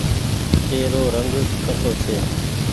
ايرو رنگ ڪسو ڇي۔